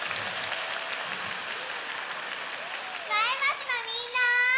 前橋のみんな！